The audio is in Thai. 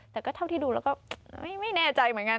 แต่ก็เท่าที่ดูแล้วก็ไม่แน่ใจเหมือนกัน